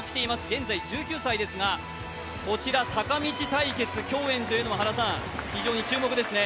現在１９歳ですが、坂道対決競演というのも非常に注目ですね。